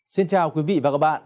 xin chào quý vị và các bạn